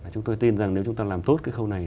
chúng tôi tin rằng nếu chúng ta làm tốt cái khâu này